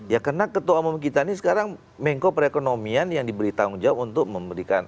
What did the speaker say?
ya karena ketua umum kita ini sekarang mengko perekonomian yang diberi tanggung jawab untuk memberikan